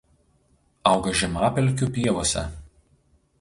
Auga žemapelkių pievose.